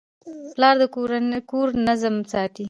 پلار د کور نظم ساتي.